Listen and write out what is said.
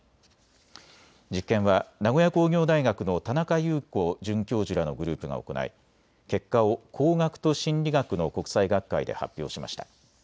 実験は名古屋工業大学の田中優子准教授らのグループが行い結果を工学と心理学の国際学会で発表しました。